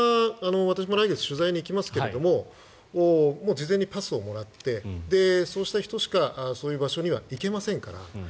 私も来月、取材に行きますが事前にパスをもらってそうした人しかそういう場所には行けませんから。